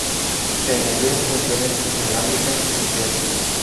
Se añadieron funciones inalámbricas y sociales.